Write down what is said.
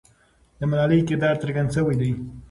د ملالۍ کردار څرګند سوی دی.